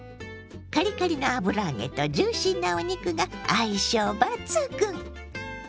カリカリの油揚げとジューシーなお肉が相性抜群！